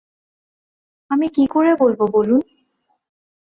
আমি কী করে বলব বলুন।